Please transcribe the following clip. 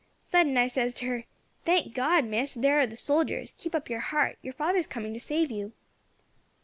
Sudden I says to her, 'Thank God! Miss, there are the soldiers; keep up your heart, your father's coming to save you.'